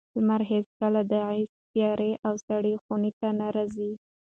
لمر هېڅکله دغې تیاره او سړې خونې ته نه راوځي.